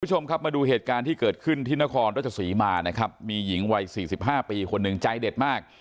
คุณผู้ชมครับมาดูเหตุการณ์ที่เกิดขึ้นที่นครรัชศรีมานะครับมีหญิงวัย๔๕ปีคนหนึ่งใจเด็ดมาก